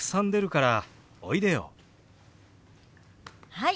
はい！